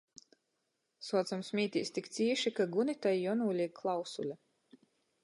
Suocam smītīs tik cīši, ka Gunitai juonūlīk klausule.